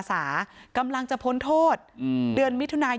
พร้อมด้วยผลตำรวจเอกนรัฐสวิตนันอธิบดีกรมราชทัน